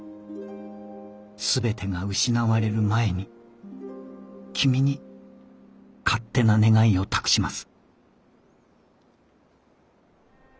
「全てが喪われる前に君に勝手な願いを託します」。